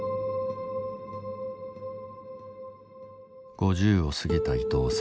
５０を過ぎた伊藤さん。